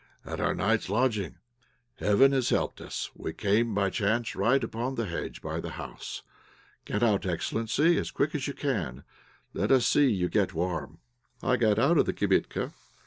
"At our night's lodging. Heaven has helped us; we came by chance right upon the hedge by the house. Get out, excellency, as quick as you can, and let us see you get warm." I got out of the kibitka.